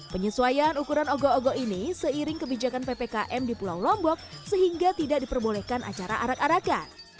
penyesuaian ukuran ogo ogo ini seiring kebijakan ppkm di pulau lombok sehingga tidak diperbolehkan acara arak arakan